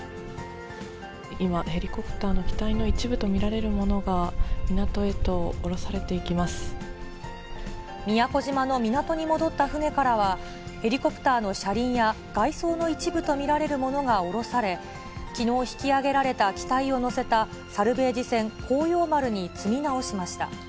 今、ヘリコプターの機体の一部と見られるものが、宮古島の港に戻った船からは、ヘリコプターの車輪や外装の一部と見られるものが降ろされ、きのう引き揚げられた機体を載せたサルベージ船航洋丸に積み直しました。